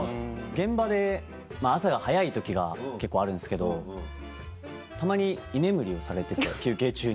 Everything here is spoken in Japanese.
現場で朝が早い時が結構あるんですけどたまに居眠りをされてて休憩中に。